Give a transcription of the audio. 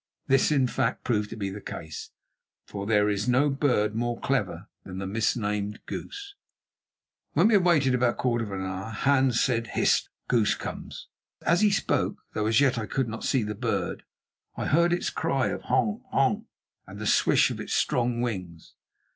This, in fact, proved to be the case, for there is no bird more clever than the misnamed goose. When we had waited about a quarter of an hour Hans said: "Hist! Goose comes." As he spoke, though as yet I could not see the bird, I heard its cry of "Honk, honk" and the swish of its strong wings.